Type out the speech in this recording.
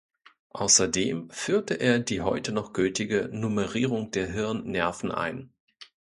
Außerdem führte er die heute noch gültige Nummerierung der Hirnnerven ein.